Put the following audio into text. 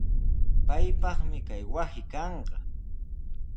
Paypaqmi kay wasi kanqa.